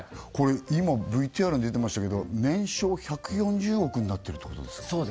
これ今ＶＴＲに出てましたけど年商１４０億になってるってことですか？